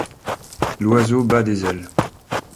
L'oiseau bat des ailes